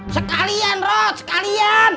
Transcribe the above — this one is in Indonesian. sekalian bro sekalian